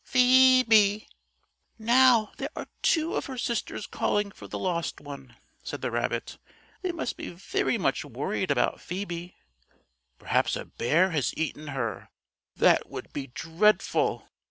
Phoe be!" "Now, there are two of her sisters calling for the lost one," said the rabbit. "They must be very much worried about Phoebe. Perhaps a bear has eaten her. That would be dreadful!